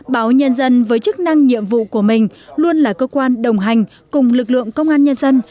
báo nhân dân với chức năng nhiệm vụ của mình luôn là cơ quan đồng hành cùng lực lượng công an nhân dân